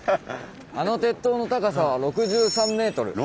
あの鉄塔の高さは６３ｍです。